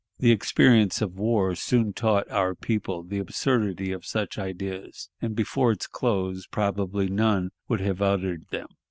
The experience of war soon taught our people the absurdity of such ideas, and before its close probably none would have uttered them.